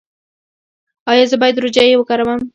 ایا زه باید روجايي وکاروم؟